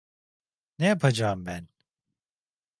Ne yapacağım ben?